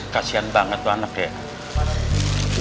kasian banget tuh anak kayak